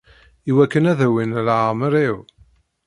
Iwakken ad awin leεmer-iw.